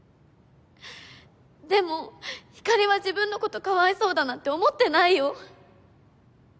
でもひかりは自分のことかわいそうだなんて思ってないよ。